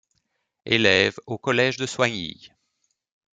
Elève au Collège de Soignies.